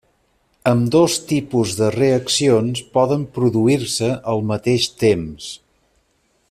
Ambdós tipus de reaccions poden produir-se al mateix temps.